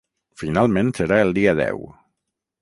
Finalment serà el dia deu.